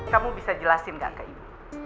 kamu bisa jelasin gak ke ibu